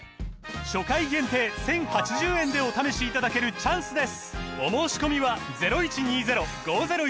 初回限定１，０８０円でお試しいただけるチャンスです